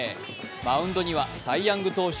マウンドにはサイ・ヤング投手